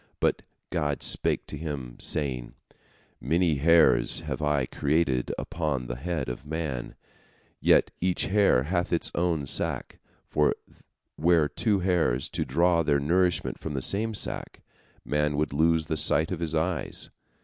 But God spake to him, saying: "Many hairs have I created upon the head of man, yet each hair hath its own sac, for were two hairs to draw their nourishment from the same sac, man would lose the sight of his eyes.